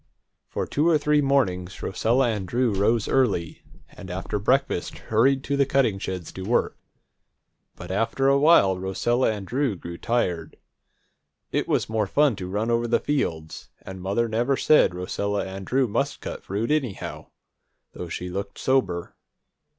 For two or three mornings Rosella and Drew rose early, and after breakfast hurried to the cutting sheds to work. But, after a while, Rosella and Drew grew tired. It was more fun to run over the fields, and mother never said Rosella and Drew must cut fruit, anyhow, though she looked sober.